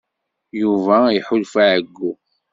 Yuba iḥulfa i uɛeyyu.